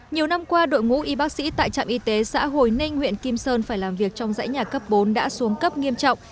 nhiều năm qua đội ngũ y bác sĩ tại trạm y tế xã hồi ninh huyện kim sơn phải làm việc trong dãy nhà cấp bốn đã xuống cấp nghiêm trọng